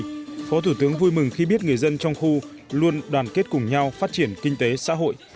trong đó phó thủ tướng vui mừng khi biết người dân trong khu luôn đoàn kết cùng nhau phát triển kinh tế xã hội